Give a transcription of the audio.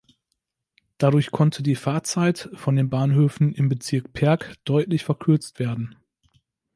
Dadurch konnte die Fahrzeit von den Bahnhöfen im Bezirk Perg deutlich verkürzt werden.